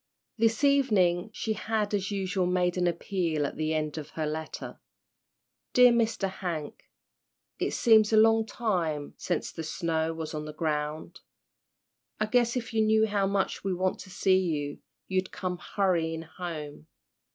This evening she had as usual made an appeal at the end of her letter. "Dear Mr. Hank, it seems a long time sence the snow was on the ground. I guess if you knew how much we want to see you you'd come hurryin' home.